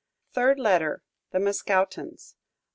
THIRD LETTER THE MASCOUTINS.